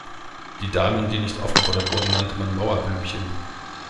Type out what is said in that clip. Die Damen, die nicht aufgefordert wurden, nannte man Mauerblümchen.